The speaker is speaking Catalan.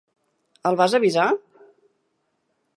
El vas avisar?